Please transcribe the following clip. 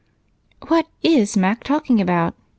"What is Mac talking about!"